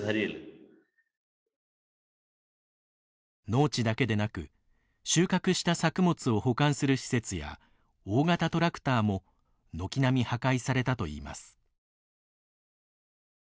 農地だけでなく収穫した作物を保管する施設や大型トラクターも軒並み破壊されたといいます。